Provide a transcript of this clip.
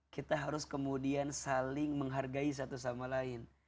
kita harus kemudian saling menghargai satu sama lain